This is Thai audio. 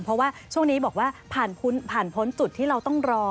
เพราะว่าช่วงนี้บอกว่าผ่านพ้นจุดที่เราต้องรอ